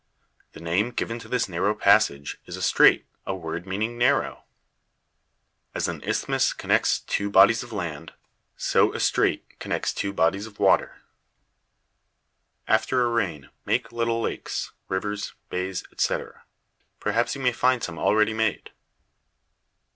The name given to this narrow passage is strait, a word meaning narrow. As an isthmus connects two bodies of land, so a strait connects two bodies of water. [Illustration: PICTURE OF A STRAIT.] After a rain make little lakes, rivers, bays, etc. Perhaps you may find some already made.